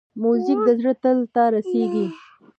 موزیک د زړه تل ته رسېږي.